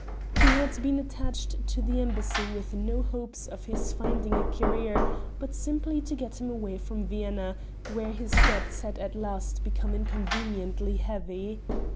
He had been attached to the embassy with no hope of his finding a career, but simply to get him away from Vienna, where his debts had at last become inconveniently heavy.